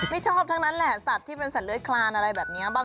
ไม่ชอบทั้งนั้นแหละสัตว์ที่เป็นสัตว์เลื้อยคลานอะไรแบบนี้